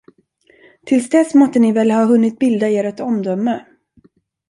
Till dess måtte ni väl ha hunnit bilda er ett omdöme.